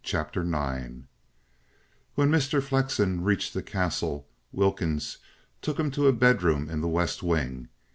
CHAPTER IX When Mr. Flexen reached the Castle Wilkins took him to a bedroom in the west wing.